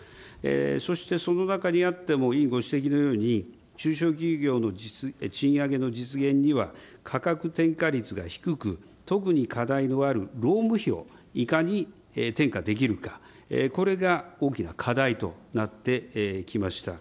そしてその中にあっても委員ご指摘のように、中小企業の賃上げの実現には、価格転嫁率が低く、特に課題のある労務費をいかに転嫁できるか、これが大きな課題となってきました。